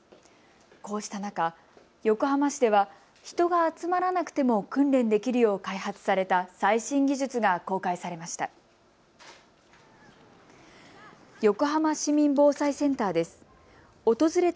こうした中、横浜市では人が集まらなくても訓練できるよう開発された最新技術が公開されました。